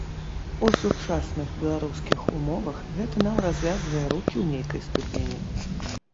У сучасных беларускіх умовах, гэта нам развязвае рукі ў нейкай ступені.